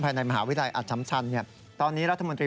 ภายในมหาวิทยาลายอัตภรรณ์ทำชันเนี่ยตอนนี้รัฐมนตรี